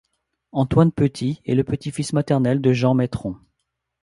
Antoine Petit est le petit-fils maternel de Jean Maitron.